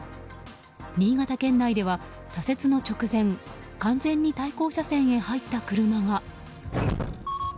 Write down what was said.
新潟県内では左折の直前完全に対向車線へ入った車が。